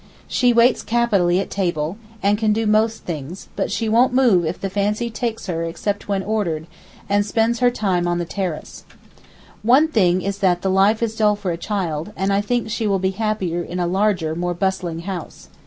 She waits capitally at table, and can do most things, but she won't move if the fancy takes her except when ordered, and spends her time on the terrace. One thing is that the life is dull for a child, and I think she will be happier in a larger, more bustling house.